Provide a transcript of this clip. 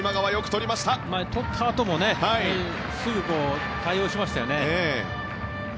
とったあともすぐ対応しましたよね。